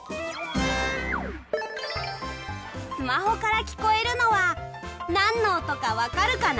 スマホからきこえるのはなんのおとかわかるかな？